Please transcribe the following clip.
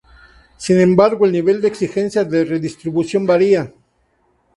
Sin embargo el nivel de exigencia de redistribución varía.